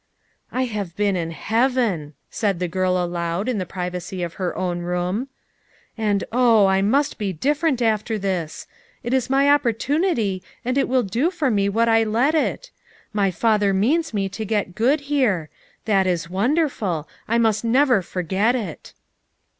"I have been in heaven/' said the girl aloud, in the privacy of her own room, "and, oh, I must be different after this; it is my oppor tunity and it will do for me what I let it; my Father means me to get good here. That is wonderful; I must never forget it."